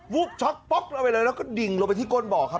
วูบช็อกป๊อกลงไปเลยแล้วก็ดิ่งลงไปที่ก้นบ่อครับ